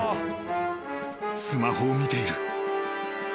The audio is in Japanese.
［スマホを見ている］